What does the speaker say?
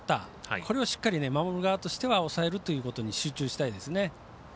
これをしっかり守る側としては抑えるということに集中したいですね。